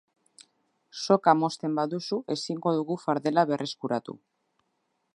Soka mozten baduzu ezingo dugu fardela berreskuratu.